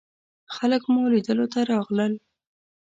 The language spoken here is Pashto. خلک مو لیدلو ته راغلل.